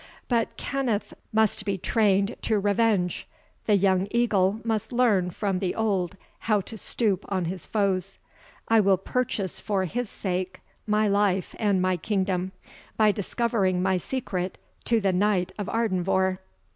But Kenneth must be trained to revenge the young eagle must learn from the old how to stoop on his foes. I will purchase for his sake my life and my freedom, by discovering my secret to the Knight of Ardenvohr."